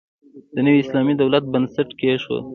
د نوي اسلامي دولت بنسټ کېښود.